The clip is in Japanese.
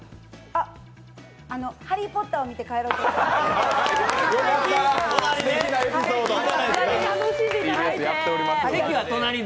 あっ「ハリー・ポッター」を見て帰ろうと思います。